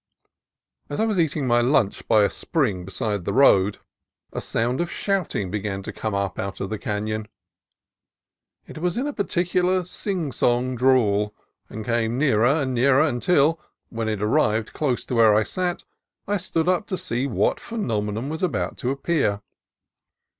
As I was eating my lunch by a spring beside the road, a sound of shouting began to come up out of the canon. It was in a peculiar sing song drawl, and came nearer and nearer until, when it arrived close to where I sat, I stood up to see what phenomenon was about to appear.